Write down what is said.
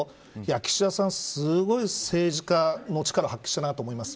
岸田さん、すごい政治家の力を発揮したなと思います。